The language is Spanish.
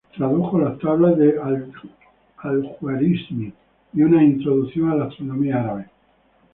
Tradujo las tablas de al-Jwārizmī y una "Introducción a la astronomía" árabe.